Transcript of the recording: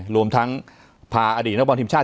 รวมทั้งพาอดีตนักบอลทีมชาติ